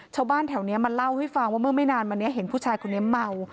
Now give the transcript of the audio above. ชาวบ้านแถวนี้มาเล่าให้ฟังว่าเมื่อไม่นานมานี้เห็นผู้ชายคนนี้เมา